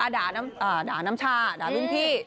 ด่าน้ำชาด่ารุ่นพี่